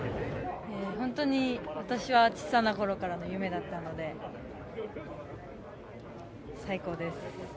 本当に私は小さなころからの夢だったので最高です。